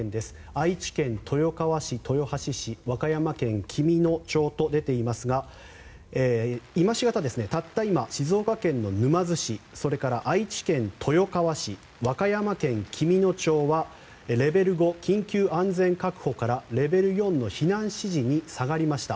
愛知県豊川市、豊橋市和歌山県紀美野町と出ていますが今しがた、たった今静岡県の沼津市それから愛知県豊川市和歌山県紀美野町はレベル５、緊急安全確保からレベル４の避難指示に下がりました。